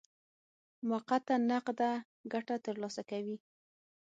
موقته نقده ګټه ترلاسه کوي.